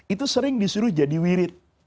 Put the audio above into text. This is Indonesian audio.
itu sering disuruh jadi wirid